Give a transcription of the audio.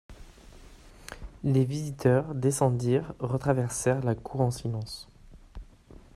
Les visiteurs descendirent, retraversèrent la cour en silence.